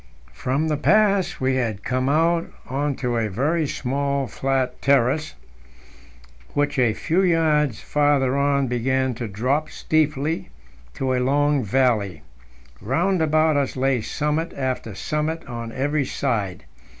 From the pass we had come out on to a very small flat terrace, which a few yards farther on began to drop steeply to a long valley. Round about us lay summit after summit on every side.